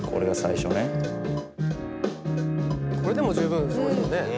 これでも十分すごいですよね。